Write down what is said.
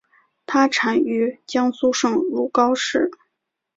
它产于江苏省如皋市。